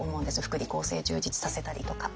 福利厚生充実させたりとか。